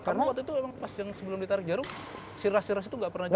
tapi waktu itu emang pas yang sebelum ditarik jarum si ras itu gak pernah juara